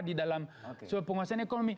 di dalam penguasaan ekonomi